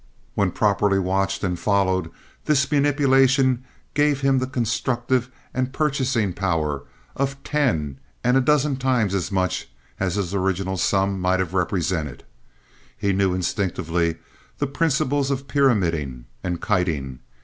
When properly watched and followed this manipulation gave him the constructive and purchasing power of ten and a dozen times as much as his original sum might have represented. He knew instinctively the principles of "pyramiding" and "kiting."